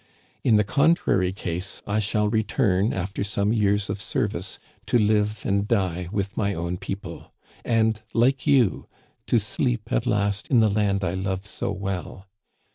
In the contrary case I shall return after some years of serv ice, to live and die with my own people ; and, like you, to sleep at last in the land I love so well.